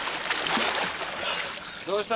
どうした？